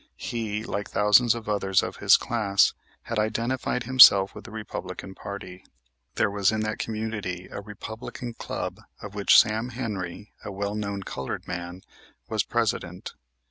He, like thousands of others of his class, had identified himself with the Republican party. There was in that community a Republican club of which Sam Henry, a well known colored man, was president.